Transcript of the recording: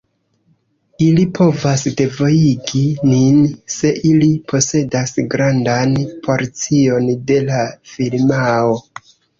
Ili povas devojigi nin se ili posedas grandan porcion de la firmao.